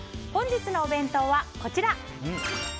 本日のお弁当は、こちら。